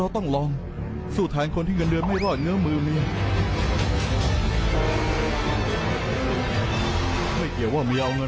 มันอยู่ที่เมย์เหลือไว้ให้เราเท่าไหร่